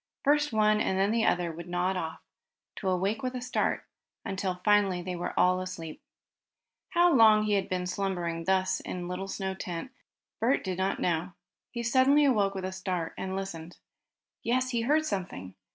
First one and then the other would nod off, to awake with a start, until finally they were all asleep. How long he had been slumbering thus, in little snow tent, Bert did not know. He suddenly awoke with a start, and listened. Yes, he heard something!